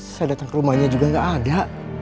saya datang ke rumahnya juga nggak ada